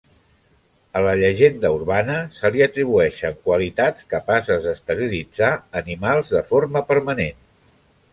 A la llegenda urbana se li atribueixen qualitats capaces d'esterilitzar animals de forma permanent.